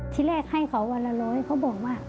ที่แรกให้เขาวันละร้อยเขาบอกว่า